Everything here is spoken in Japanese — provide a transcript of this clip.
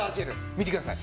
見てください。